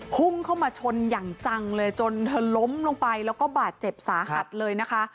พุ่งเข้ามาชนอย่างจังเลยจนเธอล้มลงไปแล้วก็บาดเจ็บสาหัสเลยนะคะ